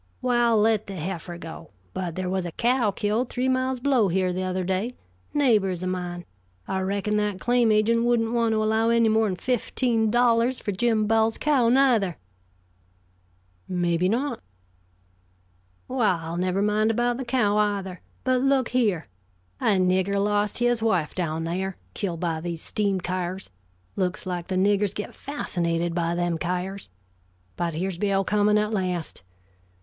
"Well, let the heifer go. But there was a cow killed three miles below here the other day. Neighbors of mine. I reckon that claim agent wouldn't want to allow any more than fifteen dollars for Jim Bowles' cow, neither." "Maybe not." "Well, never mind about the cow, either; but look here. A nigger lost his wife down there, killed by these steam kyars looks like the niggers get fascinated by them kyars. But here's Bill coming at last.